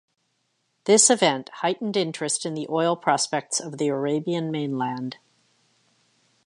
This event heightened interest in the oil prospects of the Arabian mainland.